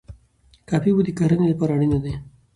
کافي اوبه د کرنې لپاره اړینې دي.